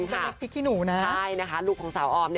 สาวแกร่งพิกกี้หนูนะใช่นะคะลูกของสาวอออม